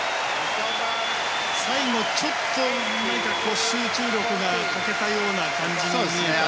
最後、ちょっと何か集中力が欠けたような感じに見えました。